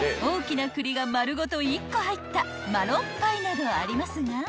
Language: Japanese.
［大きな栗が丸ごと１個入ったマロンパイなどありますが］